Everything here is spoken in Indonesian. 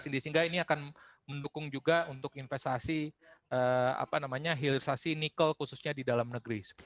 sehingga ini akan mendukung juga untuk investasi hilirisasi nikel khususnya di dalam negeri